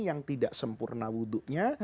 yang tidak sempurna wudhunya